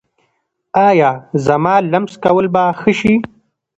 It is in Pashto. ایا زما لمس کول به ښه شي؟